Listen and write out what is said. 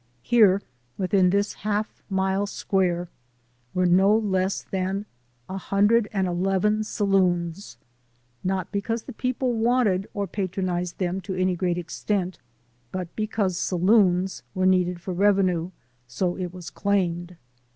Here within this half mile square were no less than 111 saloons, not because the people wanted or patronized them to any great extent, but because saloons were needed for revenue, so it was claimed.